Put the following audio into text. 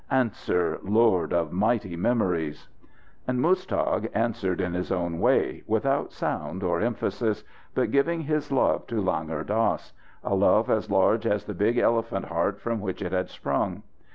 Answer, lord of mighty memories!" And Muztagh answered in his own way, without sound or emphasis, but giving his love to Langur Dass, a love as large as the big elephant heart from which it had sprung.